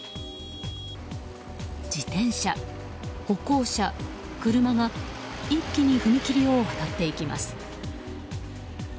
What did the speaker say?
自転車、歩行者、車が一気に踏切を渡っていきます。